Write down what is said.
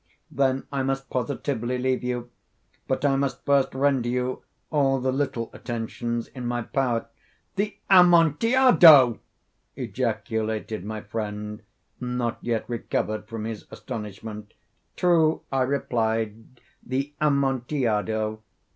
Then I must positively leave you. But I must first render you all the little attentions in my power." "The Amontillado!" ejaculated my friend, not yet recovered from his astonishment. "True," I replied; "the Amontillado."